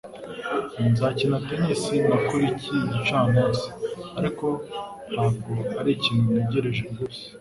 Nzakina tennis na kuri iki gicamunsi, ariko ntabwo arikintu ntegereje rwose.